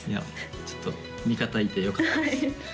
ちょっと味方いてよかったです